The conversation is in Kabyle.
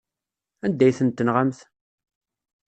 Anda ay ten-tenɣamt?